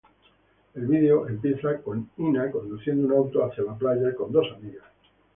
El video empieza con Inna conduciendo un auto hacia la playa con dos amigas.